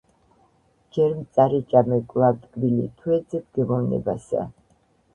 ჯერ მწარე ჭამე კვლავ ტკბილი თუ ეძებ გემოვნებასა